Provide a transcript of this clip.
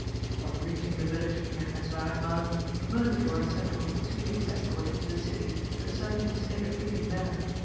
On reaching the village near Eswareinmal, Mirliflor had sent on two of his escort into the city to ascertain the state of feeling there.